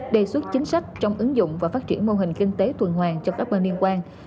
đề xuất chính sách trong ứng dụng và phát triển mô hình kinh tế tuần hoàng cho các bên liên quan